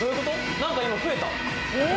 なんか今増えた。